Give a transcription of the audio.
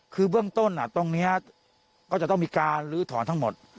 คือเบื้องต้นตรงนี้ก็จะต้องมีการลื้อถอนทั้งหมด